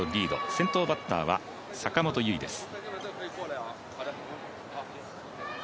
先頭バッターは、坂本結愛です。